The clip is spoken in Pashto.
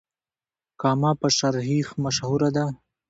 کامه په شيريخ مشهوره ده.